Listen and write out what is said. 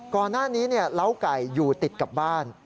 ก่อนหน้านี้เล้าไก่อยู่ติดกับบ้าน